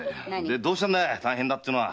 どうしたんだ「大変だ」ってのは？